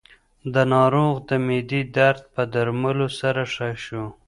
د ناروغ د معدې درد په درملو سره ښه شو.